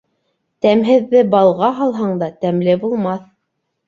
Тәмһеҙҙе балға һалһаң да, тәмле булмаҫ